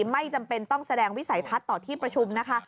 ไม่จำเป็นต้องแสดงวิสัยทัศน์ต่อที่ประชุมนะคะ